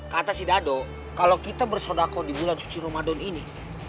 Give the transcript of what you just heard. kata sidado kalau kita bersodako di bulan suci ramadan ini